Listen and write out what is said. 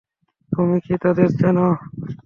তুমি কি তাদের চেন?